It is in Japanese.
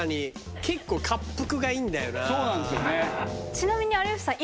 ちなみに有吉さん